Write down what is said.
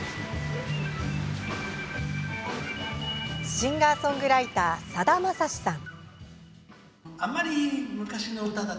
シンガーソングライターさだまさしさん。